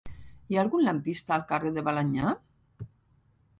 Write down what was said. Hi ha algun lampista al carrer de Balenyà?